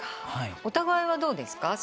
お互いはどうですか？